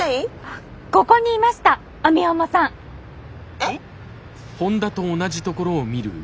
えっ！？